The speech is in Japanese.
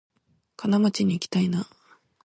金町にいきたいな